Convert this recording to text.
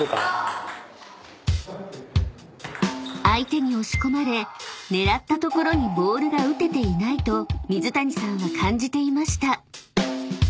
［相手に押し込まれ狙った所にボールが打てていないと水谷さんは感じていました］